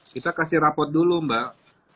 kita kasih rapot dulu mbak